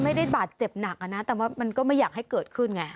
มันก็ไม่อยากให้เกิดขึ้นไง